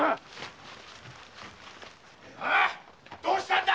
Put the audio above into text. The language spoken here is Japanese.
どうしたんだ！